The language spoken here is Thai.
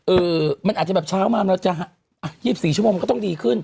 อือมันอาจจะแบบเช้ามามันอาจจะ๒๔ชั่วโมงก็ต้องดีขึ้น